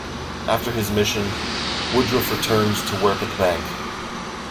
After his mission, Woodruff returned to work at the bank.